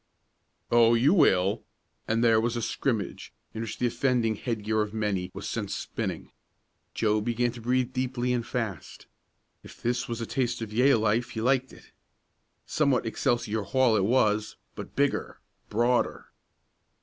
"Oh, you will!" and there was a scrimmage in which the offending headgear of many was sent spinning. Joe began to breathe deeply and fast. If this was a taste of Yale life he liked it. Somewhat Excelsior Hall it was, but bigger broader.